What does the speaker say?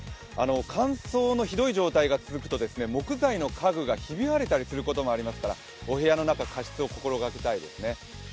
乾燥のひどい状態が続くと、木材の家具がひび割れたりしますからお部屋の中、加湿を心がけたいですね。